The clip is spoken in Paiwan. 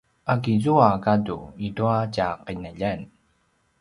a kizua gadu i tua tja qinaljan?